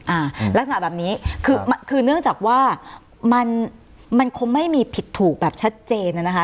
อ่าลักษณะแบบนี้คือคือเนื่องจากว่ามันมันคงไม่มีผิดถูกแบบชัดเจนน่ะนะคะ